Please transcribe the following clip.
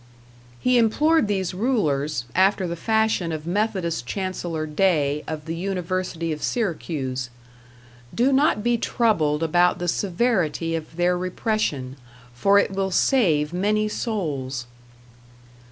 He implored these rulers, after the fashion of Methodist Chancellor Day of the University of Syracuse: "Do not be troubled about the severity of their repression, for it will save many souls."